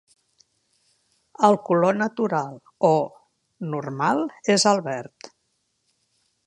El color natural o "normal" és el verd.